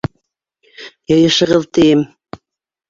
Йыйышығыҙ, тием!